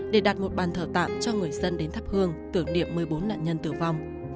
để đặt một bàn thờ tạm cho người dân đến thắp hương tưởng niệm một mươi bốn nạn nhân tử vong